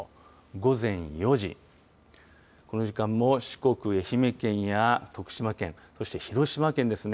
午前４時この時間も四国や愛媛県や徳島県、そして広島県ですね